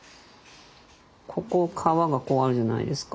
ここ川がこうあるじゃないですか。